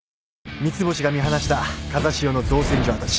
三ツ星が見放した風汐の造船所跡地。